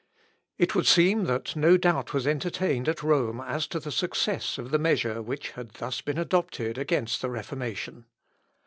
It would seem that no doubt was entertained at Rome as to the success of the measure which had thus been adopted against the Reformation.